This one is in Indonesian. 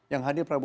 yang hadir prabowo